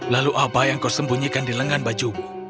lalu apa yang kau sembunyikan di lengan bajumu